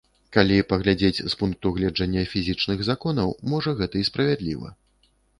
Калі паглядзець з пункту гледжання фізічных законаў, можа, гэта і справядліва.